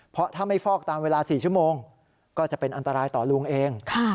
เพราะถ้าไม่ฟอกตามเวลา๔ชั่วโมงก็จะเป็นอันตรายต่อลุงเอง